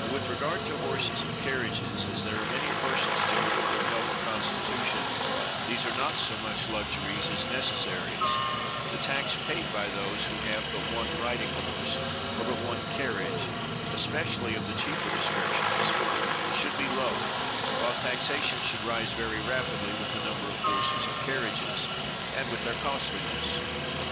But with regard to horses and carriages, as there are many persons to whom, from health or constitution, these are not so much luxuries as necessaries, the tax paid by those who have but one riding horse, or but one carriage, especially of the cheaper descriptions, should be low; while taxation should rise very rapidly with the number of horses and carriages, and with their costliness.